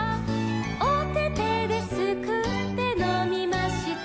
「おててですくってのみました」